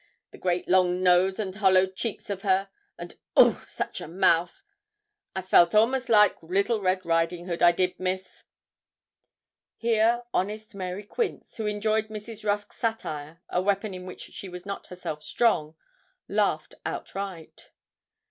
The great long nose and hollow cheeks of her, and oogh! such a mouth! I felt a'most like little Red Riding Hood I did, Miss.' Here honest Mary Quince, who enjoyed Mrs. Rusk's satire, a weapon in which she was not herself strong, laughed outright.